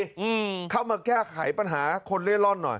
อืมเข้ามาแก้ไขปัญหาคนเล่ร่อนหน่อย